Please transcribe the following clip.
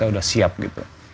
jadi kita udah siap gitu